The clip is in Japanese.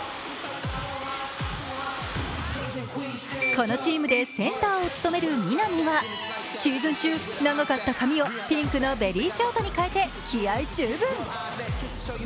このチームでセンターを務めるＭＩＮＡＭＩはシーズン中、長かった髪をピンクノベリーショートに変えて気合い十分。